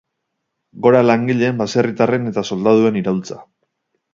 Gora langileen, baserritarren eta soldaduen iraultza!